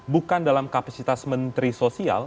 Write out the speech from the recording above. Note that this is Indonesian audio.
bukan dalam kapasitas menteri sosial